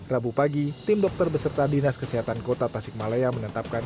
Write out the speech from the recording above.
rabu pagi tim dokter beserta dinas kesehatan kota tasikmalaya menetapkan